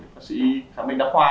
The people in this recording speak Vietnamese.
phạm sĩ phạm minh đắc hoa